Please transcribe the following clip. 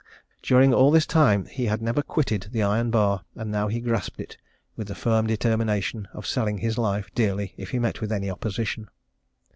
During all this time he had never quitted the iron bar, and he now grasped it with the firm determination of selling his life dearly if he met with any opposition.